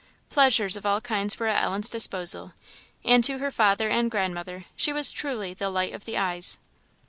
Pleasures of all kinds were at Ellen's disposal; and to her father and grandmother she was truly the light of the eyes.